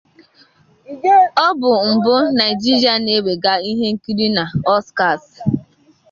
Ọ bụ mbụ Nigeria na ewega ihe nkiri na Oscars.